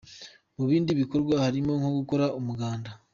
Mu bindi bikorwa harimo nko gukora umuganda.